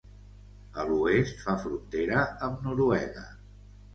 A l'oest fa frontera amb Noruega.